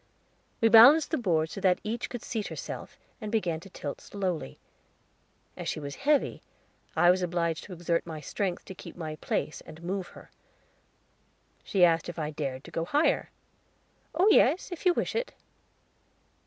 We balanced the board so that each could seat herself, and began to tilt slowly. As she was heavy, I was obliged to exert my strength to keep my place, and move her. She asked if I dared to go higher. "Oh yes, if you wish it."